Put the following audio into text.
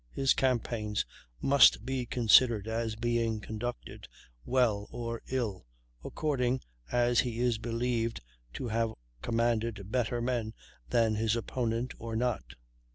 His campaigns must be considered as being conducted well or ill according as he is believed to have commanded better men than his opponent, or not.